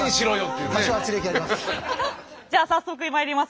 じゃあ早速まいります。